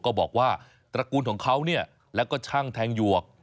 ก็บอกว่าตระกูลของเขาเนี่ยแล้วก็ช่างแทงหยวก